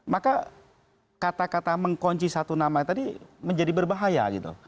maka kata kata mengkunci satu nama tadi menjadi berbahaya gitu